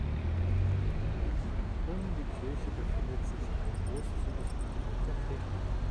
Um die Kirche befindet sich ein großzügig angelegter Friedhof.